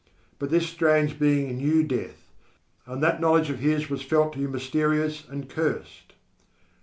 But this strange being knew death, and that knowledge of his was felt to be mysterious and cursed.